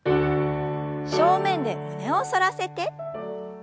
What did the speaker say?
正面で胸を反らせて。